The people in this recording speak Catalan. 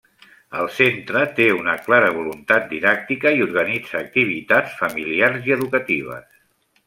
El centre té una clara voluntat didàctica i organitza activitats familiars i educatives.